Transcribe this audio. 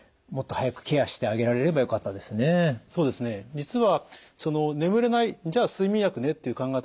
実はその眠れないじゃあ睡眠薬ねっていう考え方